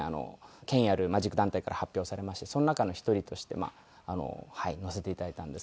権威あるマジック団体から発表されましてその中の一人として載せて頂いたんですけども。